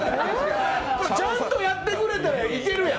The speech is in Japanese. ちゃんとやってくれたらいけるやん。